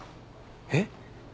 えっ？